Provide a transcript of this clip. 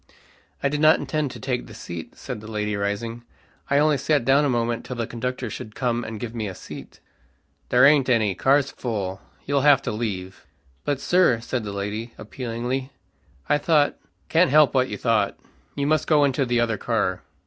"I did not intend to take the seat," said the lady rising, "I only sat down a moment till the conductor should come and give me a seat." "There aint any. Car's full. You'll have to leave." "But, sir," said the lady, appealingly, "I thought " "Can't help what you thought you must go into the other car."